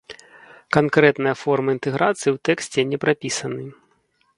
Канкрэтныя формы інтэграцыі ў тэксце не прапісаны.